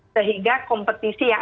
sehingga kompetisi yang